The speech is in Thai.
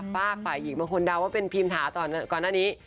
พากฝ่ายอีกมาคนดาวว่าเป็นพิมทะตอนก่อนอันนี้